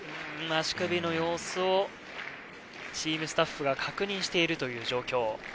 足首の様子をチームスタッフが確認しているという状況。